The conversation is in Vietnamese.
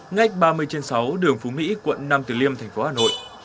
ngách ba mươi trên sáu đường phú mỹ quận năm từ liêm thành phố hà nội